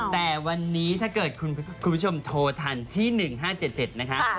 แต่วันนี้ถ้าเกิดคุณผู้ชมโทรทันที่๑๕๗๗นะคะ